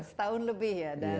setahun lebih ya dan